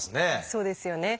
そうですよね。